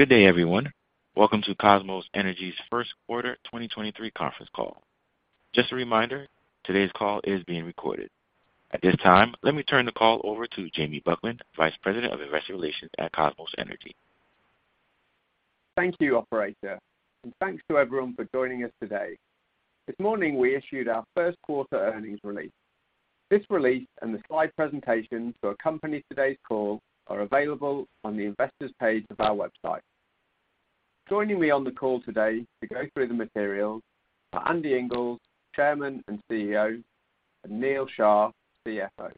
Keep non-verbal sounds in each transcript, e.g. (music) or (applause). Good day, everyone. Welcome to Kosmos Energy's first quarter 2023 conference call. Just a reminder, today's call is being recorded. At this time, let me turn the call over to Jamie Buckland, Vice President of Investor Relations at Kosmos Energy. Thank you, operator. Thanks to everyone for joining us today. This morning, we issued our first quarter earnings release. This release and the slide presentation to accompany today's call are available on the Investors page of our website. Joining me on the call today to go through the materials are Andy Inglis, Chairman and CEO, and Neal Shah, CFO.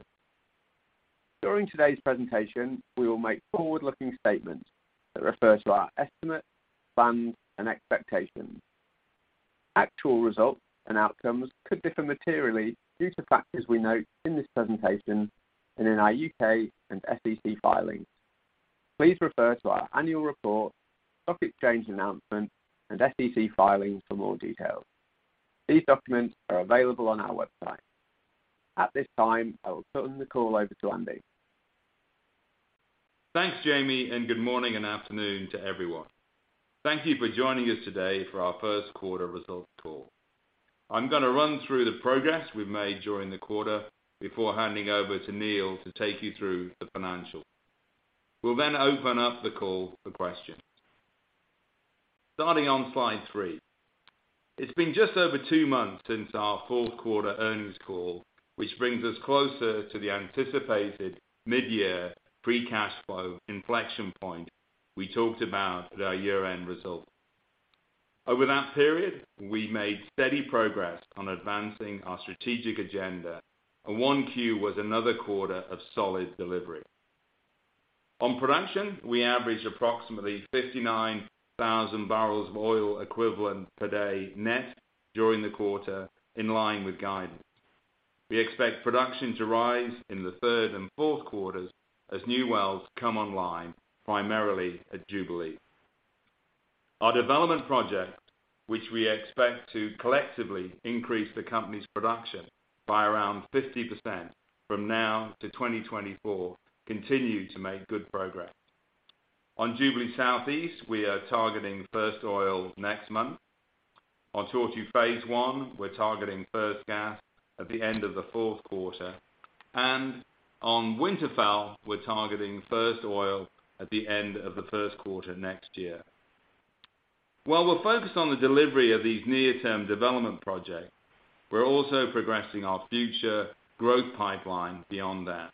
During today's presentation, we will make forward-looking statements that refer to our estimates, plans, and expectations. Actual results and outcomes could differ materially due to factors we note in this presentation and in our U.K. and SEC filings. Please refer to our annual report, stock exchange announcement, and SEC filings for more details. These documents are available on our website. At this time, I will turn the call over to Andy. Thanks, Jamie. Good morning and afternoon to everyone. Thank you for joining us today for our first quarter results call. I'm gonna run through the progress we've made during the quarter before handing over to Neal to take you through the financials. We'll open up the call for questions. Starting on slide three. It's been just over two months since our fourth quarter earnings call, which brings us closer to the anticipated midyear free cash flow inflection point we talked about at our year-end results. Over that period, we made steady progress on advancing our strategic agenda. 1Q was another quarter of solid delivery. On production, we averaged approximately 59,000 barrels of oil equivalent per day net during the quarter in line with guidance. We expect production to rise in the third and fourth quarters as new wells come online, primarily at Jubilee. Our development project, which we expect to collectively increase the company's production by around 50% from now to 2024, continue to make good progress. On Jubilee Southeast, we are targeting first oil next month. On Tortue phase one, we're targeting first gas at the end of the fourth quarter. On Winterfell, we're targeting first oil at the end of the first quarter next year. While we're focused on the delivery of these near-term development projects, we're also progressing our future growth pipeline beyond that.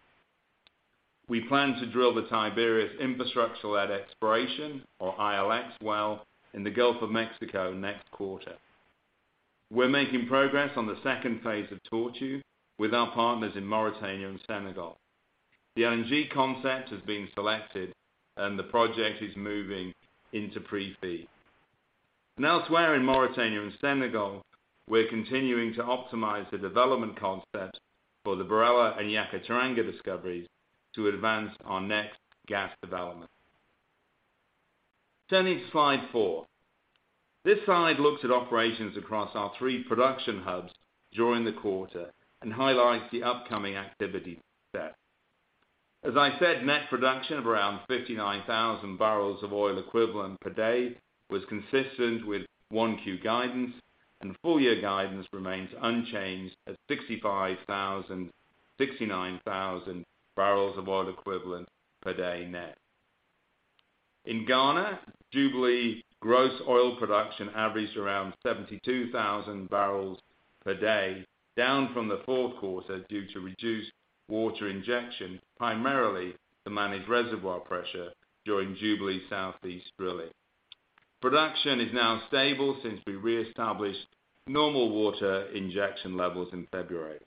We plan to drill the Tiberius Infrastructure Led Exploration, or ILX well, in the Gulf of Mexico next quarter. We're making progress on the second phase of Tortue with our partners in Mauritania and Senegal. The LNG concept has been selected and the project is moving into pre-FEED. Elsewhere in Mauritania and Senegal, we're continuing to optimize the development concept for the BirAllah and Yakaar-Teranga discoveries to advance our next gas development. Turning to slide four. This slide looks at operations across our three production hubs during the quarter and highlights the upcoming activity set. As I said, net production of around 59,000 barrels of oil equivalent per day was consistent with 1Q guidance, and full year guidance remains unchanged at 65,000-69,000 barrels of oil equivalent per day net. In Ghana, Jubilee gross oil production averaged around 72,000 barrels per day, down from the fourth quarter due to reduced water injection, primarily to manage reservoir pressure during Jubilee Southeast drilling. Production is now stable since we reestablished normal water injection levels in February.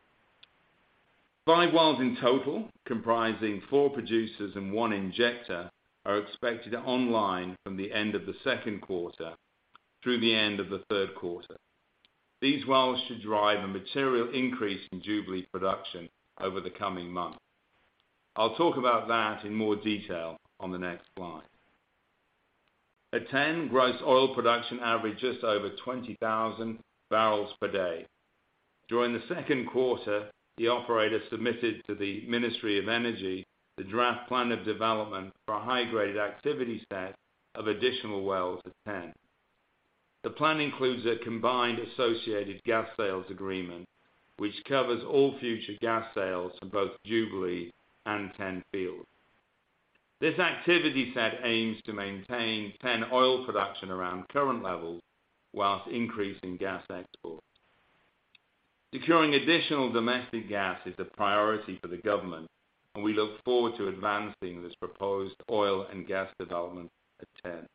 Five wells in total, comprising four producers and one injector, are expected online from the end of the second quarter through the end of the third quarter. These wells should drive a material increase in Jubilee production over the coming months. I'll talk about that in more detail on the next slide. At TEN, gross oil production averaged just over 20,000 barrels per day. During the second quarter, the operator submitted to the Ministry of Energy the draft plan of development for a high-grade activity set of additional wells at TEN. The plan includes a combined associated gas sales agreement, which covers all future gas sales for both Jubilee and TEN fields. This activity set aims to maintain TEN oil production around current levels while increasing gas exports. Securing additional domestic gas is a priority for the government. We look forward to advancing this proposed oil and gas development at TEN.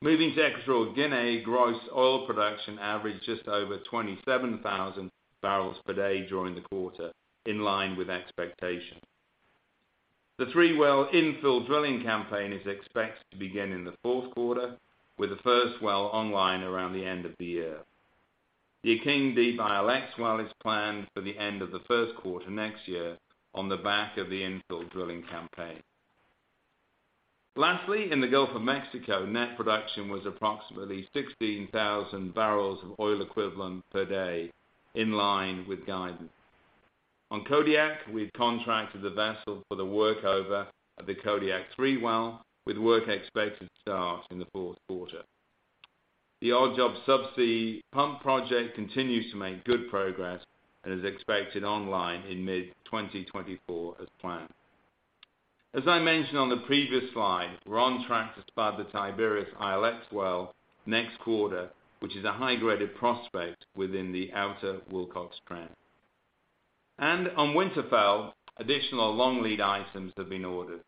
Moving to Equatorial Guinea, gross oil production averaged just over 27,000 barrels per day during the quarter, in line with expectation. The three-well infill drilling campaign is expected to begin in the fourth quarter, with the first well online around the end of the year. The Akeng Deep ILX well is planned for the end of the first quarter next year on the back of the infill drilling campaign. Lastly, in the Gulf of Mexico, net production was approximately 16,000 barrels of oil equivalent per day, in line with guidance. On Kodiak, we've contracted the vessel for the work over at the Kodiak three well, with work expected to start in the fourth quarter. The Odd Job subsea pump project continues to make good progress and is expected online in mid-2024 as planned. As I mentioned on the previous slide, we're on track to spud the Tiberius ILX well next quarter, which is a high-graded prospect within the outer Wilcox trend. On Winterfell, additional long lead items have been ordered.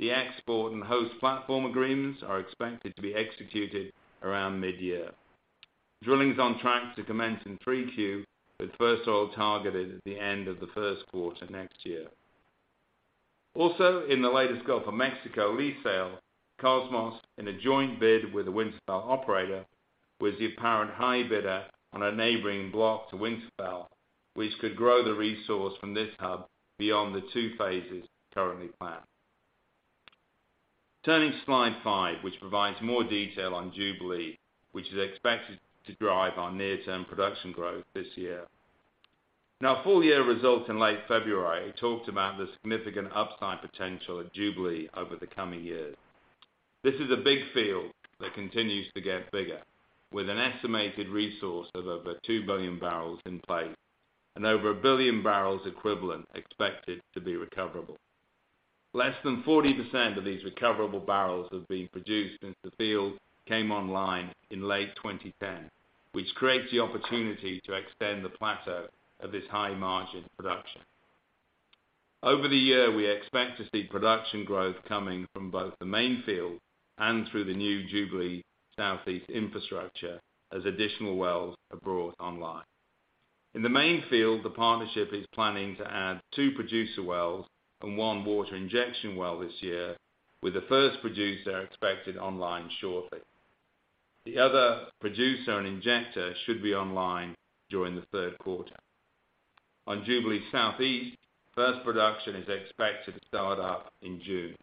The export and host platform agreements are expected to be executed around mid-year. Drilling is on track to commence in 3Q, with first oil targeted at the end of the first quarter next year. In the latest Gulf of Mexico lease sale, Kosmos, in a joint bid with the Winterfell operator, was the apparent high bidder on a neighboring block to Winterfell, which could grow the resource from this hub beyond the two phases currently planned. Turning to slide five, which provides more detail on Jubilee, which is expected to drive our near-term production growth this year. In our full year results in late February, we talked about the significant upside potential at Jubilee over the coming years. This is a big field that continues to get bigger, with an estimated resource of over 2 billion barrels in place and over 1 billion barrels equivalent expected to be recoverable. Less than 40% of these recoverable barrels have been produced since the field came online in late 2010, which creates the opportunity to extend the plateau of this high-margin production. Over the year, we expect to see production growth coming from both the main field and through the new Jubilee Southeast infrastructure as additional wells are brought online. In the main field, the partnership is planning to add two producer wells and one water injection well this year, with the first producer expected online shortly. The other producer and injector should be online during the third quarter. On Jubilee Southeast, first production is expected to start up in June.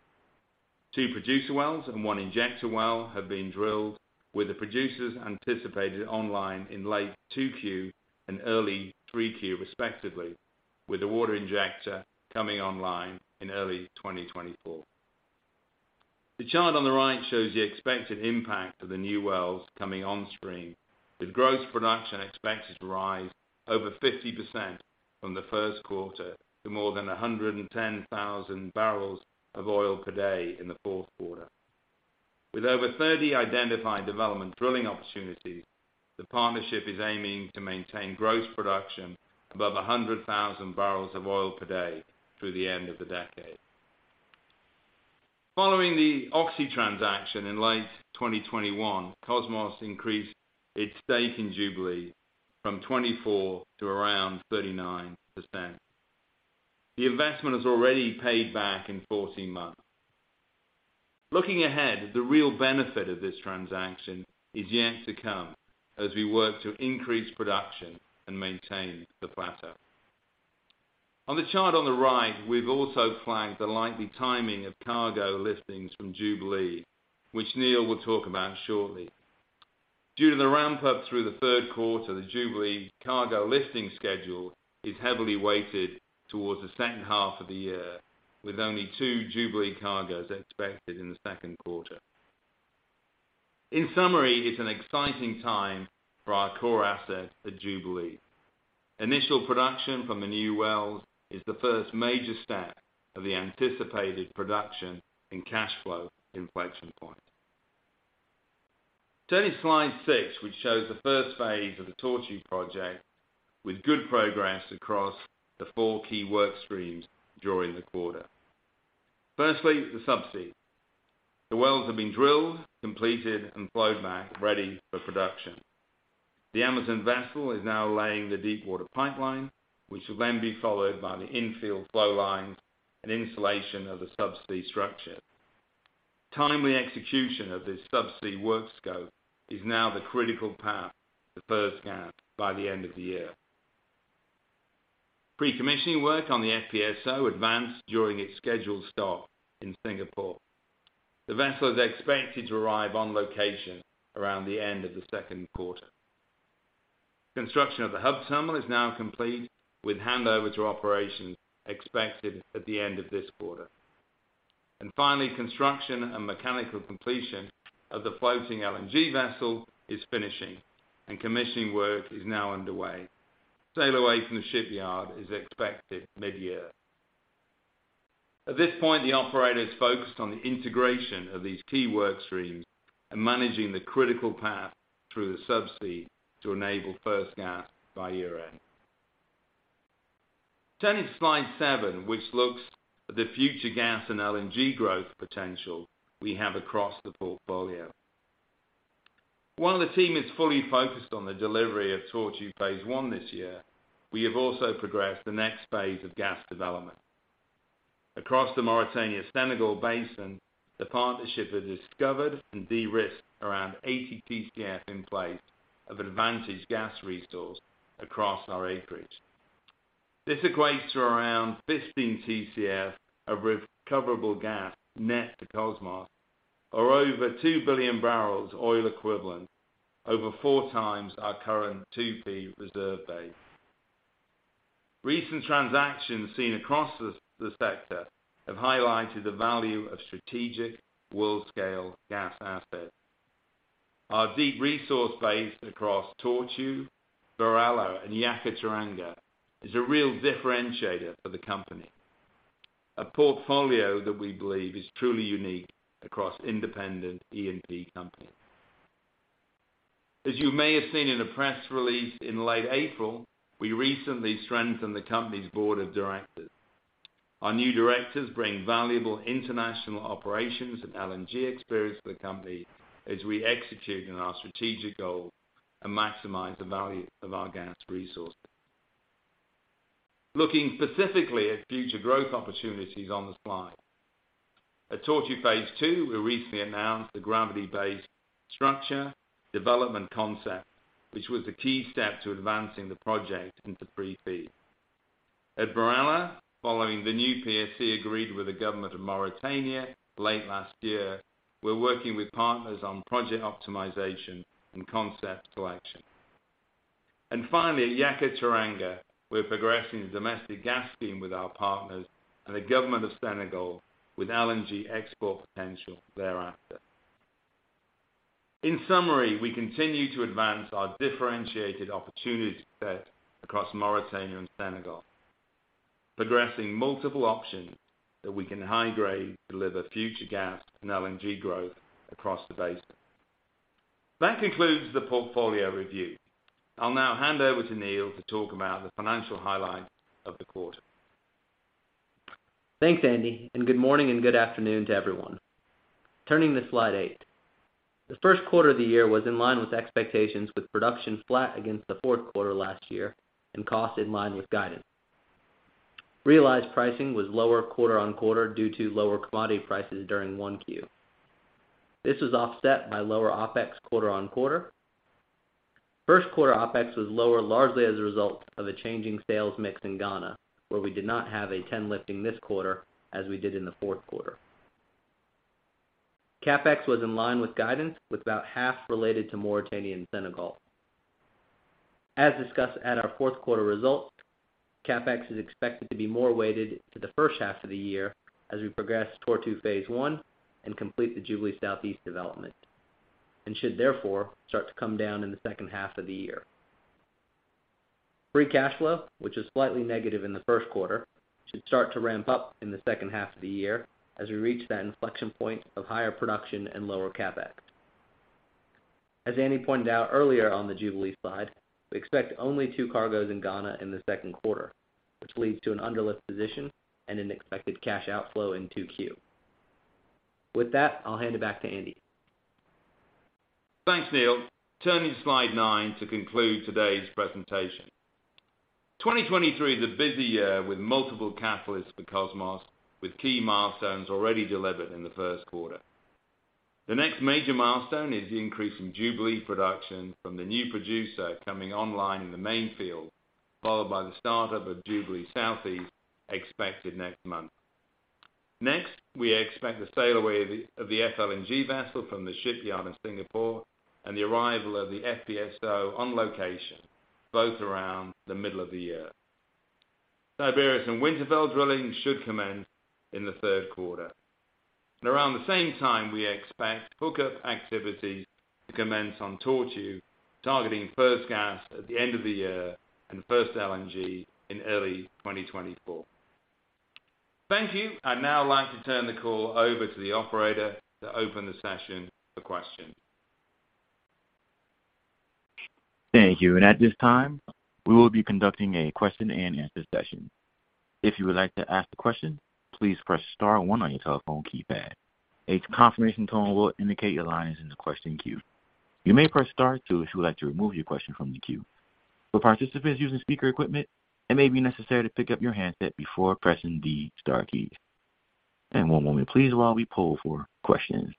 Two producer wells and one injector well have been drilled, with the producers anticipated online in late 2Q and early 3Q respectively, with the water injector coming online in early 2024. The chart on the right shows the expected impact of the new wells coming on stream, with gross production expected to rise over 50% from the first quarter to more than 110,000 barrels of oil per day in the fourth quarter. With over 30 identified development drilling opportunities, the partnership is aiming to maintain gross production above 100,000 barrels of oil per day through the end of the decade. Following the Oxy transaction in late 2021, Kosmos increased its stake in Jubilee from 24% to around 39%. The investment is already paid back in 14 months. Looking ahead, the real benefit of this transaction is yet to come as we work to increase production and maintain the plateau. On the chart on the right, we've also flagged the likely timing of cargo liftings from Jubilee, which Neal will talk about shortly. Due to the ramp up through the third quarter, the Jubilee cargo lifting schedule is heavily weighted towards the second half of the year, with only two Jubilee cargoes expected in the second quarter. In summary, it's an exciting time for our core asset at Jubilee. Initial production from the new wells is the first major step of the anticipated production and cash flow inflection point. Turning to slide six, which shows the first phase of the Tortue project with good progress across the four key work streams during the quarter. The subsea. The wells have been drilled, completed, and flowed back, ready for production. The Amazon vessel is now laying the deepwater pipeline, which will then be followed by the infill flow lines and installation of the subsea structure. Timely execution of this subsea work scope is now the critical path to first gas by the end of the year. Pre-commissioning work on the FPSO advanced during its scheduled stop in Singapore. The vessel is expected to arrive on location around the end of the second quarter. Finally, construction and mechanical completion of the floating LNG vessel is finishing, and commissioning work is now underway. Sail away from the shipyard is expected mid-year. At this point, the operator is focused on the integration of these key work streams and managing the critical path through the subsea to enable first gas by year-end. Turning to slide seven, which looks at the future gas and LNG growth potential we have across the portfolio. While the team is fully focused on the delivery of Tortue phase one this year, we have also progressed the next phase of gas development. Across the Mauritania-Senegal Basin, the partnership has discovered and de-risked around 80 TCF in place of advantage gas resource across our acreage. This equates to around 15 TCF of recoverable gas net to Kosmos, or over 2 billion barrels oil equivalent. Over four times our current 2P reserve base. Recent transactions seen across the sector have highlighted the value of strategic world-scale gas assets. Our deep resource base across Tortue, BirAllah and Yakaar-Teranga is a real differentiator for the company. A portfolio that we believe is truly unique across independent E&P companies. As you may have seen in a press release in late April, we recently strengthened the company's board of directors. Our new directors bring valuable international operations and LNG experience to the company as we execute on our strategic goals and maximize the value of our gas resources. Looking specifically at future growth opportunities on the slide. At Tortue phase two, we recently announced the gravity-based structure development concept, which was the key step to advancing the project into pre-FEED. At BirAllah, following the new PSC agreed with the government of Mauritania late last year, we're working with partners on project optimization and concept selection. Finally, at Yakaar-Teranga, we're progressing the domestic gas scheme with our partners and the government of Senegal with LNG export potential thereafter. In summary, we continue to advance our differentiated opportunity set across Mauritania and Senegal, progressing multiple options that we can high-grade deliver future gas and LNG growth across the basin. That concludes the portfolio review. I'll now hand over to Neal to talk about the financial highlights of the quarter. Thanks, Andy. Good morning and good afternoon to everyone. Turning to slide eight. The first quarter of the year was in line with expectations with production flat against the fourth quarter last year and cost in line with guidance. Realized pricing was lower quarter-on-quarter due to lower commodity prices during 1Q. This was offset by lower OpEx quarter-on-quarter. First quarter OpEx was lower largely as a result of a changing sales mix in Ghana, where we did not have a TEN lifting this quarter as we did in the fourth quarter. CapEx was in line with guidance, with about half related to Mauritania and Senegal. As discussed at our fourth quarter results, CapEx is expected to be more weighted to the first half of the year as we progress Tortue phase one and complete the Jubilee South East development, and should therefore start to come down in the second half of the year. Free cash flow, which is slightly negative in the first quarter, should start to ramp up in the second half of the year as we reach that inflection point of higher production and lower CapEx. As Andy pointed out earlier on the Jubilee slide, we expect only two cargos in Ghana in the second quarter, which leads to an underlift position and an expected cash outflow in 2Q. With that, I'll hand it back to Andy. Thanks, Neal. Turning to slide nine to conclude today's presentation. 2023 is a busy year with multiple catalysts for Kosmos, with key milestones already delivered in the first quarter. The next major milestone is the increase in Jubilee production from the new producer coming online in the main field, followed by the start-up of Jubilee Southeast expected next month. Next, we expect the sail away of the FLNG vessel from the shipyard in Singapore and the arrival of the FPSO on location, both around the middle of the year. Tiberius and Winterfell drilling should commence in the third quarter. Around the same time, we expect hookup activity to commence on Tortue, targeting first gas at the end of the year and first LNG in early 2024. Thank you. I'd now like to turn the call over to the operator to open the session for questions. Thank you. At this time, we will be conducting a question-and-answer session. If you would like to ask a question, please press star one on your telephone keypad. A confirmation tone will indicate your line is in the question queue. You may press star two if you would like to remove your question from the queue. For participants using speaker equipment, it may be necessary to pick up your handset before pressing the star key. One moment, please, while we poll for questions.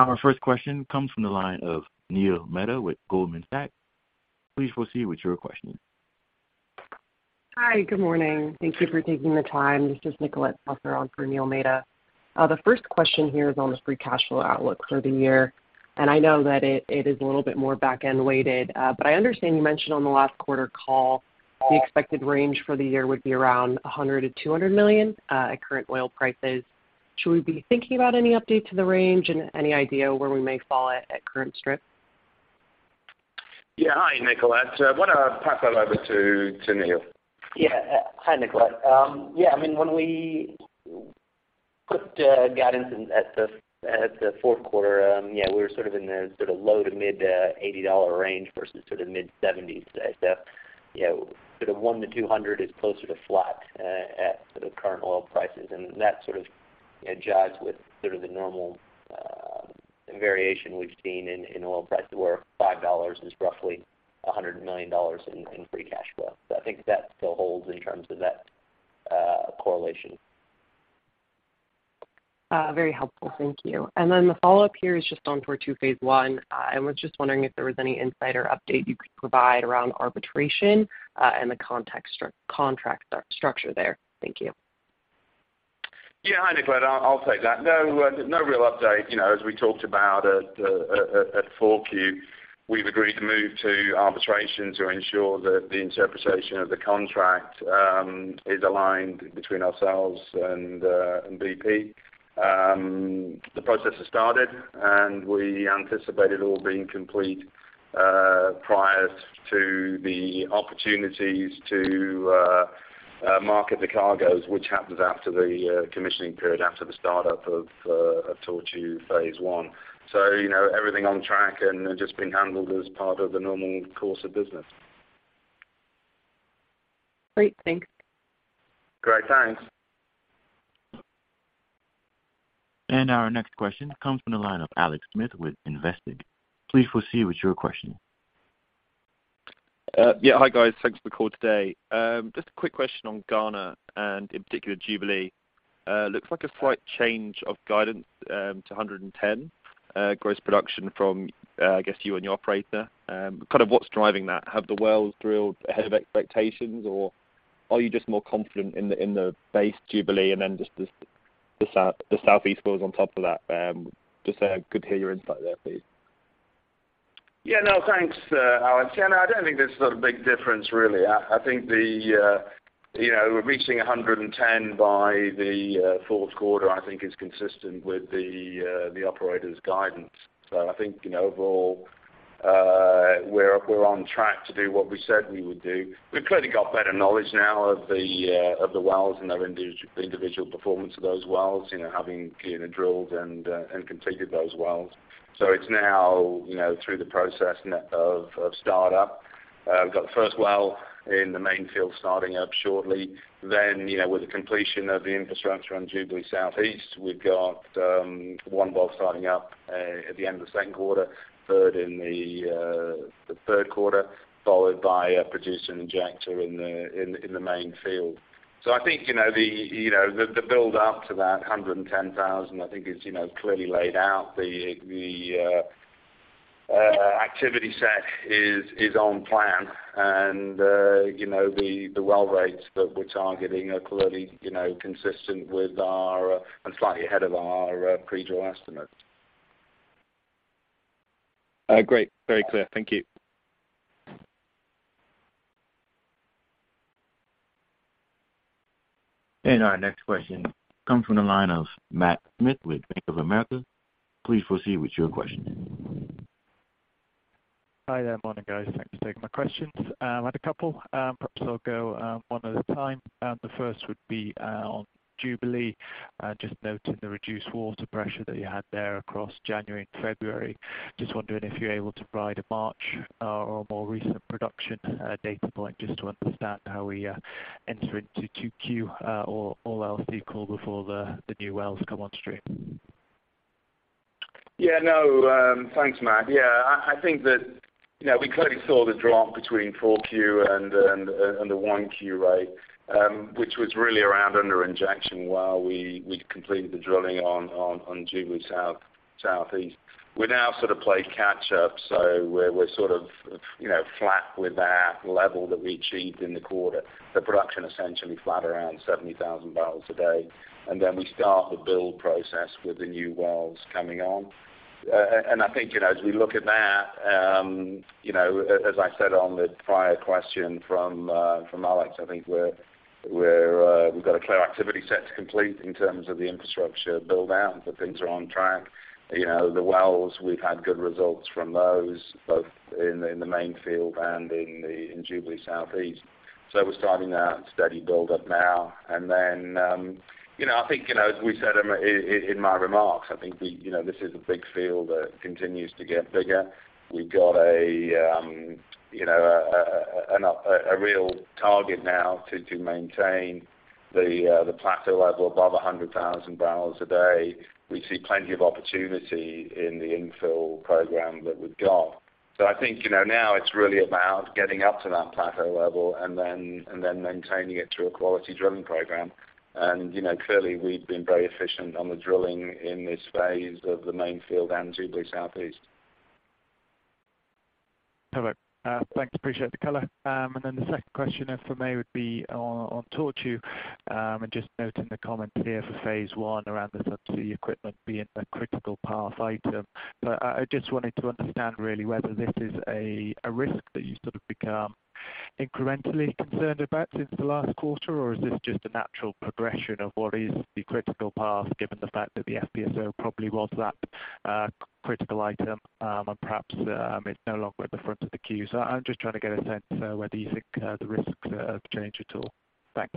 Our first question comes from the line of Neil Mehta with Goldman Sachs. Please proceed with your question. Hi, good morning. Thank you for taking the time. This is Nicolette Saucer on for Neil Mehta. The first question here is on the free cash flow outlook for the year. I know that it is a little bit more back-end weighted, but I understand you mentioned on the last quarter call the expected range for the year would be around $100 million-$200 million at current oil prices. Should we be thinking about any update to the range and any idea where we may fall at at current strip? Yeah. Hi, Nicolette. Why don't I pass that over to Neal? Yeah. Hi, Nicolette. Yeah, I mean, when we put guidance in at the fourth quarter, yeah, we were sort of in the low to mid-$80 range versus mid-$70s today. You know, sort of $100 million-$200 million is closer to flat at current oil prices. That sort of, you know, jives with sort of the normal variation we've seen in oil prices where $5 is roughly $100 million in free cash flow. I think that still holds in terms of that correlation. Very helpful. Thank you. Then the follow-up here is just on Tortue phase one. I was just wondering if there was any insight or update you could provide around arbitration, and the contract structure there. Thank you. Yeah, Hi, Nicolette. I'll take that. No, no real update. You know, as we talked about at 4Q, we've agreed to move to arbitration to ensure that the interpretation of the contract is aligned between ourselves and BP. The process has started, and we anticipate it all being complete prior to the opportunities to market the cargoes, which happens after the commissioning period, after the startup of Tortue phase one. You know, everything on track and just being handled as part of the normal course of business. Great. Thanks. Great. Thanks. Our next question comes from the line of Alex Smith with Investec. Please proceed with your question. Yeah. Hi, guys. Thanks for the call today. Just a quick question on Ghana and in particular, Jubilee. Looks like a slight change of guidance to 110 gross production from I guess you and your operator. Kind of what's driving that? Have the wells drilled ahead of expectations, or are you just more confident in the base Jubilee and then just the Southeast wells on top of that? Just say, I could hear your insight there, please. Yeah, no, thanks, Alex. You know, I don't think there's a big difference really. I think the, you know, reaching 110 by the fourth quarter, I think is consistent with the operator's guidance. I think, you know, overall, we're on track to do what we said we would do. We've clearly got better knowledge now of the wells and the individual performance of those wells, you know, having, you know, drilled and completed those wells. It's now, you know, through the process of startup. We've got the first well in the main field starting up shortly. You know, with the completion of the infrastructure on Jubilee Southeast, we've got one well starting up at the end of the second quarter, third in the third quarter, followed by a producer injector in the main field. I think, you know, the build up to that 110,000, I think is, you know, clearly laid out. The activity set is on plan. You know, the well rates that we're targeting are clearly, you know, consistent with our and slightly ahead of our pre-drill estimate. Great. Very clear. Thank you. Our next question comes from the line of Matt Smith with Bank of America. Please proceed with your question. Hi there. Morning, guys. Thanks for taking my questions. I had a couple. Perhaps I'll go one at a time. The first would be on Jubilee, just noting the reduced water pressure that you had there across January and February. Just wondering if you're able to provide a March or a more recent production data point, just to understand how we enter into 2Q, or else the call before the new wells come on stream. Yeah. No. Thanks, Matt. Yeah. I think that, you know, we clearly saw the drop between 4Q and the 1Q, right? Which was really around under injection while we completed the drilling on Jubilee South, Southeast. We're now sort of play catch up, so we're sort of, you know, flat with that level that we achieved in the quarter. The production essentially flat around 70,000 barrels a day. Then we start the build process with the new wells coming on. I think, you know, as we look at that, you know, as I said on the prior question from Alex, I think we've got a clear activity set to complete in terms of the infrastructure build-out, but things are on track. You know, the wells, we've had good results from those, both in the main field and in Jubilee Southeast. We're starting that steady build up now. You know, I think, you know, as we said in my remarks, I think we, you know, this is a big field that continues to get bigger. We've got a, you know, a real target now to maintain the plateau level above 100,000 barrels a day. We see plenty of opportunity in the infill program that we've got. I think, you know, now it's really about getting up to that plateau level and then maintaining it through a quality drilling program. You know, clearly we've been very efficient on the drilling in this phase of the main field and Jubilee Southeast. Perfect. Thanks. Appreciate the color. The second question, if I may, would be on Tortue, and just noting the commentary for phase one around the subsea equipment being a critical path item. I just wanted to understand really whether this is a risk that you've sort of become incrementally concerned about since the last quarter, or is this just a natural progression of what is the critical path, given the fact that the FPSO probably was that critical item, and perhaps it's no longer at the front of the queue. I'm just trying to get a sense whether you think the risks have changed at all. Thanks.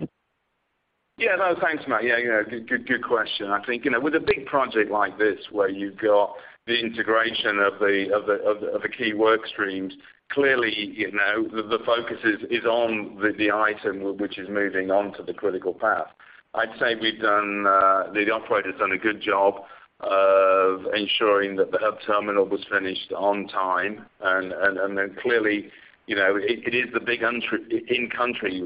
Yeah. No, thanks, Matt. Yeah, yeah. Good question. I think, you know, with a big project like this where you've got the integration of the key work streams, clearly, you know, the focus is on the item which is moving on to the critical path. I'd say we've done, the operator's done a good job of ensuring that the Hub Terminal was finished on time. Clearly, you know, it is the big in-country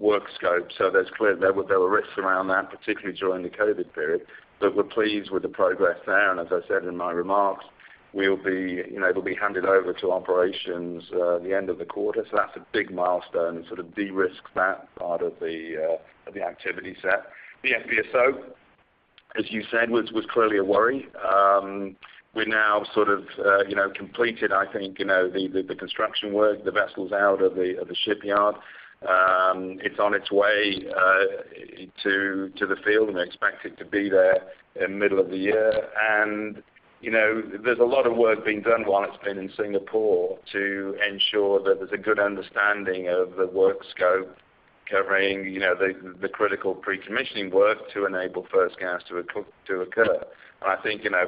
work scope. There's clear there were risks around that, particularly during the COVID period. We're pleased with the progress there. As I said in my remarks, we'll be, you know, it'll be handed over to operations the end of the quarter. That's a big milestone and sort of de-risks that part of the activity set. The FPSO you said, was clearly a worry. We're now sort of, you know, completed, I think, the construction work. The vessel's out of the shipyard. It's on its way to the field, and we expect it to be there in middle of the year. You know, there's a lot of work being done while it's been in Singapore to ensure that there's a good understanding of the work scope covering, you know, the critical pre-commissioning work to enable first gas to occur. I think, you know,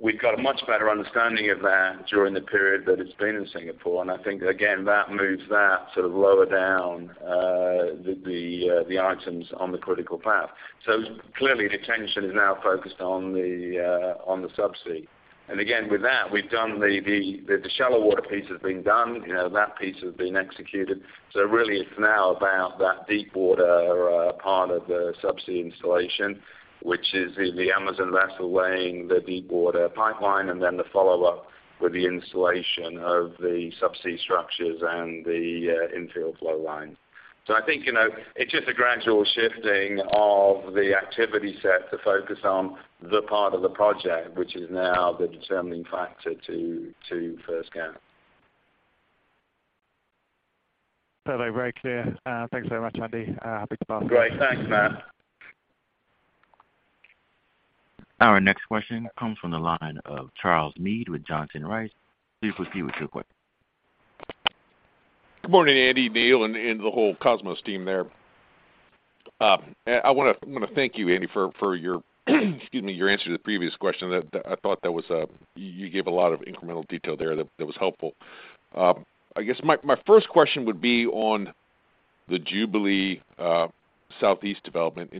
we've got a much better understanding of that during the period that it's been in Singapore. I think, again, that moves that sort of lower down, the, the items on the critical path. Clearly, the attention is now focused on the, on the subsea. Again, with that, we've done the, the shallow water piece has been done. You know, that piece has been executed. Really it's now about that deep water part of the subsea installation, which is the Amazon vessel laying the deep water pipeline and then the follow-up with the installation of the subsea structures and the infill flow line. I think, you know, it's just a gradual shifting of the activity set to focus on the part of the project, which is now the determining factor to first gas. Perfect. Very clear. Thanks so much, Andy. Happy to pass to the next analyst. Great. Thanks, Matt. Our next question comes from the line of Charles Meade with Johnson Rice. Please proceed with your question. Good morning, Andy, Neal, and the whole Kosmos team there. I wanna thank you, Andy, for your excuse me, your answer to the previous question. That, I thought that was. You gave a lot of incremental detail there that was helpful. I guess my first question would be on the Jubilee Southeast development.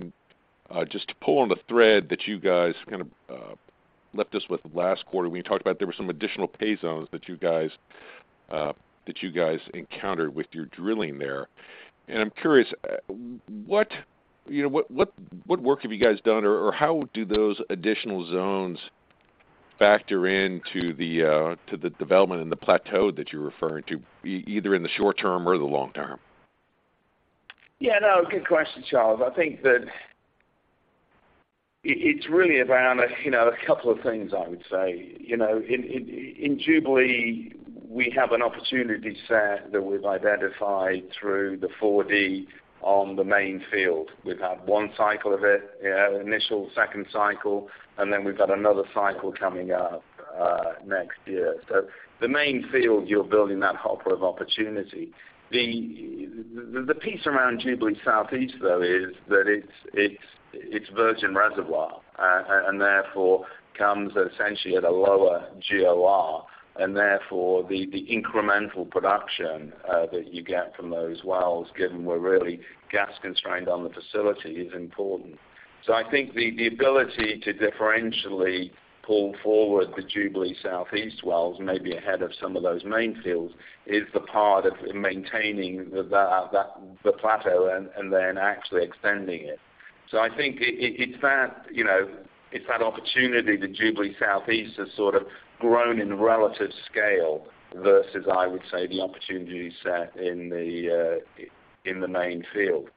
Just to pull on the thread that you guys kind of left us with last quarter when you talked about there were some additional pay zones that you guys encountered with your drilling there. I'm curious what, you know, what work have you guys done, or how do those additional zones factor into the development and the plateau that you're referring to either in the short term or the long term? Yeah, no, good question, Charles. I think that it's really around, you know, a couple of things I would say. You know, in Jubilee we have an opportunity set that we've identified through the 4D on the main field. We've had one cycle of it. initial second cycle, and then we've got another cycle coming up next year. The main field, you're building that hopper of opportunity. The piece around Jubilee Southeast, though, is that it's virgin reservoir, and therefore comes essentially at a lower GOR. Therefore, the incremental production that you get from those wells, given we're really gas constrained on the facility, is important. I think the ability to differentially pull forward the Jubilee Southeast wells, maybe ahead of some of those main fields, is the part of maintaining the plateau and then actually extending it. I think it's that, you know, it's that opportunity that Jubilee Southeast has sort of grown in relative scale versus, I would say, the opportunity set in the main field.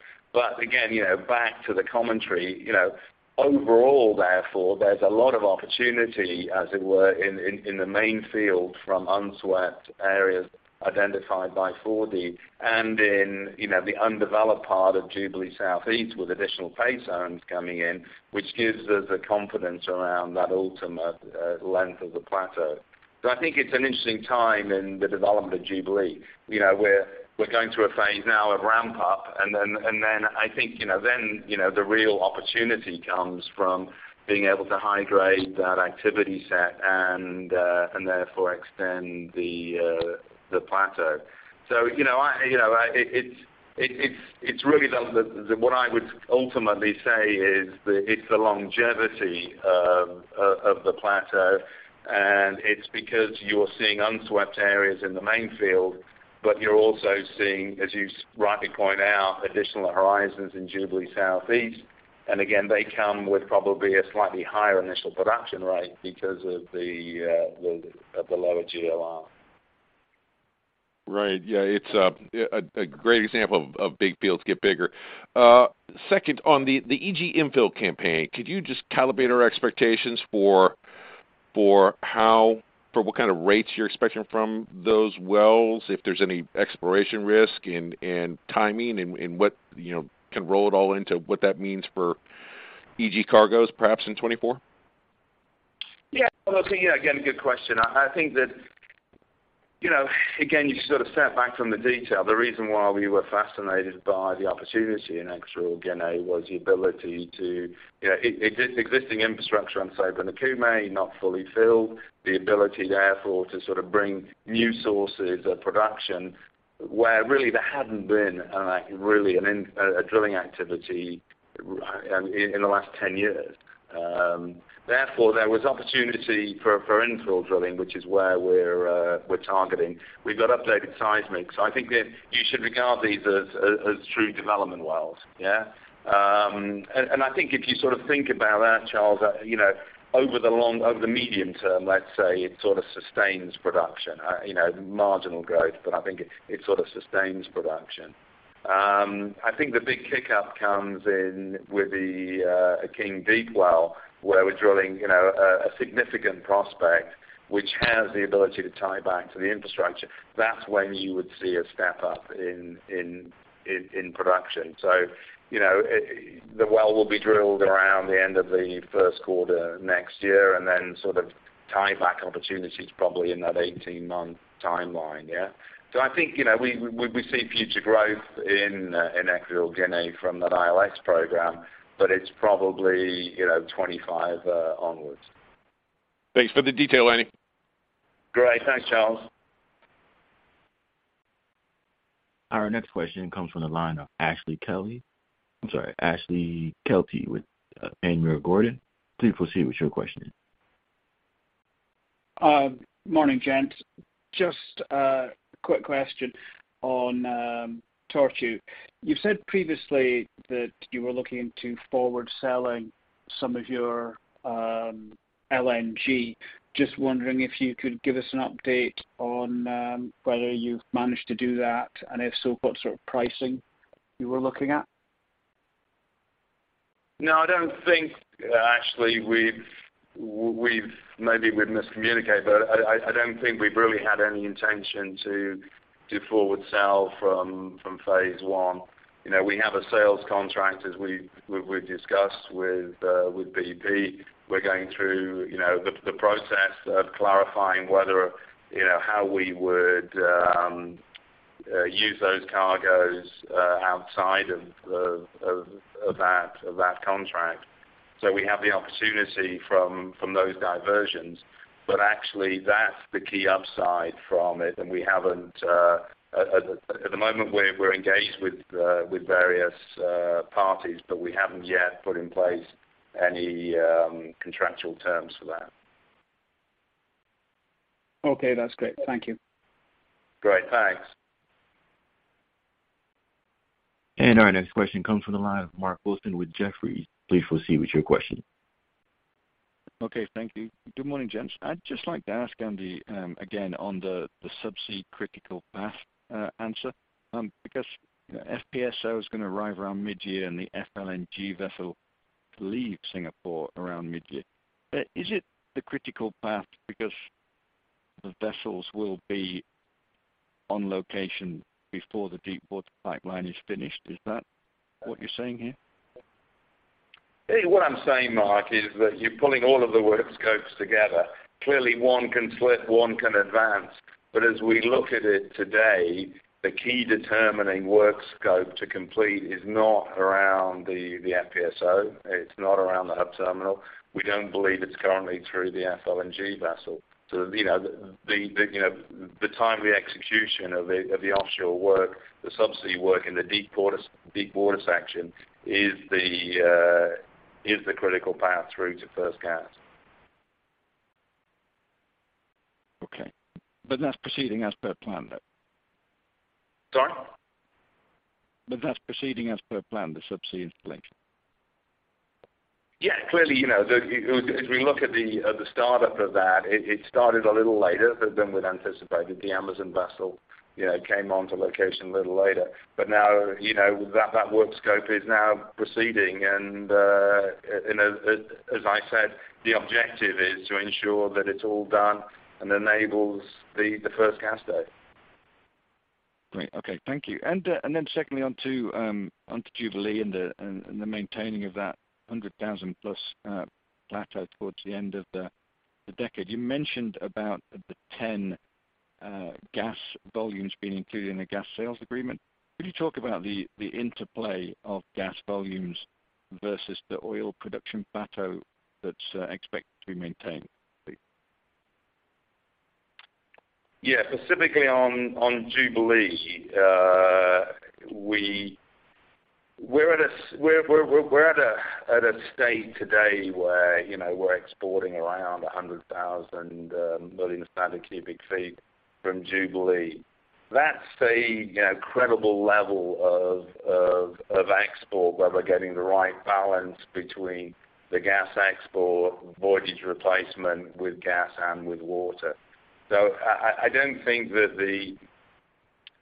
Again, you know, back to the commentary. You know, overall therefore, there's a lot of opportunity, as it were, in the main field from unswept areas identified by 4D. And in, you know, the undeveloped part of Jubilee Southeast with additional pay zones coming in, which gives us the confidence around that ultimate length of the plateau. I think it's an interesting time in the development of Jubilee. You know, we're going through a phase now of ramp up, and then I think, you know, then, you know, the real opportunity comes from being able to hydrate that activity set and therefore extend the plateau. You know, what I would ultimately say is that it's the longevity of the plateau, and it's because you're seeing unswept areas in the main field, but you're also seeing, as you rightly point out, additional horizons in Jubilee Southeast. Again, they come with probably a slightly higher initial production rate because of the lower GOR. Right. Yeah, it's, yeah, a great example of big fields get bigger. Second, on the EG infill campaign, could you just calibrate our expectations for how, for what kind of rates you're expecting from those wells, if there's any exploration risk and timing and what, you know, kind of roll it all into what that means for EG cargoes perhaps in 2024? Well, again, good question. I think that, you know, again, you sort of step back from the detail. The reason why we were fascinated by the opportunity in (audio distortion) Genei was the ability to, you know, existing infrastructure on Sape and Okume, not fully filled. The ability therefore to sort of bring new sources of production where really there hadn't been a drilling activity in the last 10 years. Therefore, there was opportunity for infill drilling, which is where we're targeting. We've got updated seismic. I think that you should regard these as true development wells. Yeah. I think if you sort of think about that, Charles, you know, over the long, over the medium term, let's say, it sort of sustains production, you know, marginal growth, but I think it sort of sustains production. I think the big kick up comes in with the Akeng Deep well, where we're drilling, you know, a significant prospect which has the ability to tie back to the infrastructure. That's when you would see a step up in production. You know, the well will be drilled around the end of the first quarter next year and then sort of tieback opportunity is probably in that 18-month timeline. Yeah. I think, you know, we see future growth in Equatorial Guinea from that ILX program, but it's probably, you know, 25 onwards. Thanks for the detail, Andy. Great. Thanks, Charles. Our next question comes from the line of Ashley Kelty. I'm sorry, Ashley Kelty with Panmure Gordon. Please proceed with your question. Morning, gents. Just a quick question on Tortue. You've said previously that you were looking to forward selling some of your LNG. Just wondering if you could give us an update on whether you've managed to do that, and if so, what sort of pricing you were looking at. No, I don't think, Ashley, maybe we've miscommunicated. I don't think we've really had any intention to forward sell from phase one. You know, we have a sales contract, as we've discussed with BP. We're going through, you know, the process of clarifying whether, you know, how we would use those cargoes outside of that contract. We have the opportunity from those diversions. Actually that's the key upside from it. We haven't. At the moment, we're engaged with various parties, but we haven't yet put in place any contractual terms for that. Okay, that's great. Thank you. Great. Thanks. Our next question comes from the line of Mark Wilson with Jefferies. Please proceed with your question. Thank you. Good morning, gents. I'd just like to ask Andy, again, on the subsea critical path, answer, because FPSO is gonna arrive around mid-year and the FLNG vessel leave Singapore around mid-year. Is it the critical path because the vessels will be on location before the deep water pipeline is finished? Is that what you're saying here? Hey, what I'm saying, Mark, is that you're pulling all of the work scopes together. Clearly, one can slip, one can advance. As we look at it today, the key determining work scope to complete is not around the FPSO. It's not around the Hub Terminal. We don't believe it's currently through the FLNG vessel. You know, the, you know, the timely execution of the offshore work, the subsea work in the deepwater section is the critical path through to first gas. Okay. that's proceeding as per planned then? Sorry? That's proceeding as per planned, the subsea installation? Yeah. Clearly, you know, as we look at the startup of that, it started a little later than we'd anticipated. The Amazon vessel, you know, came onto location a little later. Now, you know, that work scope is now proceeding. As I said, the objective is to ensure that it's all done and enables the first gas date. Great. Okay. Thank you. Secondly, on to Jubilee and the maintaining of that 100,000+ plateau towards the end of the decade. You mentioned about the TEN gas volumes being included in the gas sales agreement. Could you talk about the interplay of gas volumes versus the oil production plateau that's expected to be maintained? Yeah. Specifically on Jubilee, we're at a state today where, you know, we're exporting around 100,000 million standard cubic feet from Jubilee. That's the, you know, credible level of export where we're getting the right balance between the gas export, voyage replacement with gas and with water. I don't think that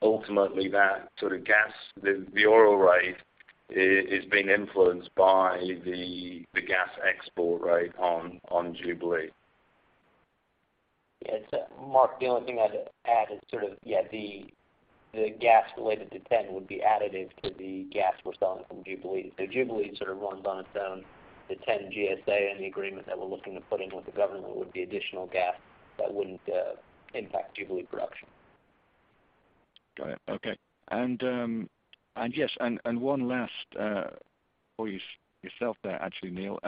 ultimately that sort of gas, the oil rate is being influenced by the gas export rate on Jubilee. Yes, Mark. The only thing I'd add is sort of, the gas related to TEN would be additive to the gas we're selling from Jubilee. Jubilee sort of runs on its own. The TEN GSA and the agreement that we're looking to put in with the government would be additional gas that wouldn't impact Jubilee production. Got it. Okay. Yes, and one last for yourself there, actually, Neal.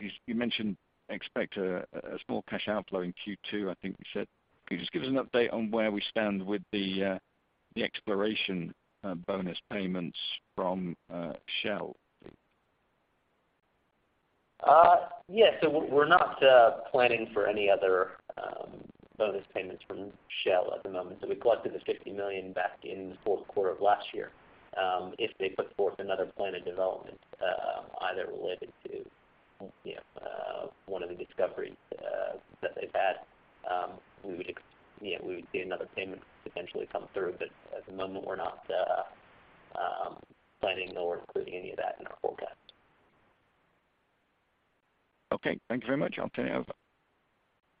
You mentioned expect a small cash outflow in Q2, I think you said. Can you just give us an update on where we stand with the exploration bonus payments from Shell? Yes. We're not planning for any other bonus payments from Shell at the moment. We collected the $50 million back in the fourth quarter of last year. If they put forth another plan of development, either related to, you know, one of the discoveries that they've had, we would, you know, see another payment potentially come through. At the moment, we're not planning or including any of that in our forecast. Okay. Thank you very much. I'll turn it over.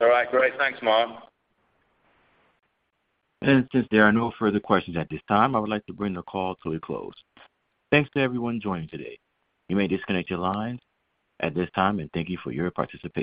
All right, great. Thanks, Mark. Since there are no further questions at this time, I would like to bring the call to a close. Thanks to everyone joining today. You may disconnect your lines at this time, and thank you for your participation.